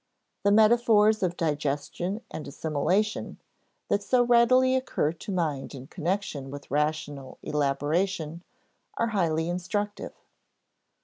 The metaphors of digestion and assimilation, that so readily occur to mind in connection with rational elaboration, are highly instructive.